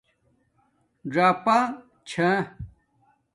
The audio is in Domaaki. ژَاپا چھا